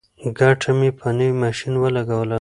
ګټه مې په نوي ماشین ولګوله.